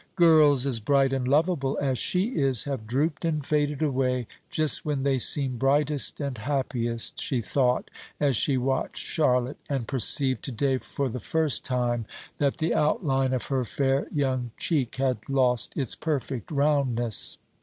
"Girls, as bright and lovable as she is, have drooped and faded away, just when they seem brightest and happiest," she thought as she watched Charlotte, and perceived to day for the first time that the outline of her fair young cheek had lost its perfect roundness.